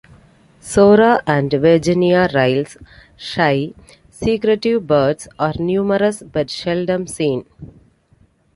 Sora and Virginia rails - shy, secretive birds - are numerous but seldom seen.